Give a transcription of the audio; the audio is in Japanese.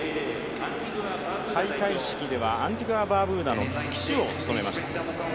開会式ではアンティグア・バーブーダの旗手を務めました。